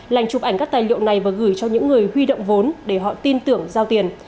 lành chụp ảnh các tài liệu này và gửi cho những người huy động vốn để họ tin tưởng giao tiền